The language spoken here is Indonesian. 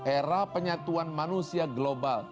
era penyatuan manusia global